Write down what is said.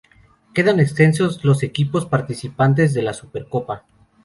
Quedan exentos los equipos participantes de la Supercopa.